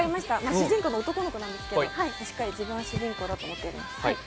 主人公の男の子なんですけど自分が主人公だと思ってやりますね。